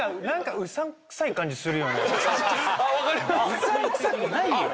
うさんくさくないよ！